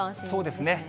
そうですね。